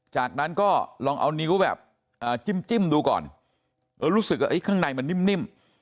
จากนั้นก็ลองเอานิ้วแบบจิ้มดูก่อนแล้วรู้สึกว่าข้างในมันนิ่ม